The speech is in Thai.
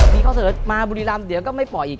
พี่เขาเสิร์ชมาบุรีลามเดี๋ยวก็ไม่ปล่อยอีก